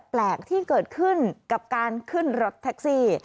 แปลกที่เกิดขึ้นกับการขึ้นรถแท็กซี่